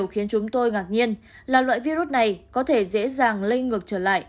khiến chúng tôi ngạc nhiên là loại virus này có thể dễ dàng lây ngược trở lại